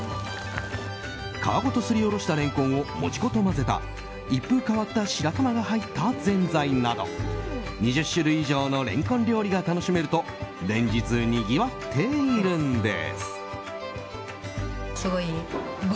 皮ごとすりおろしたレンコンを餅粉と混ぜた一風変わった白玉が入ったぜんざいなど２０種類以上のレンコン料理が楽しめると連日、にぎわっているんです。